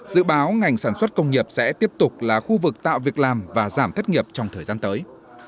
dự báo ngành sản xuất công nghiệp sẽ tiếp tục là khu vực tạo việc làm và giảm thất nghiệp trong thời gian tới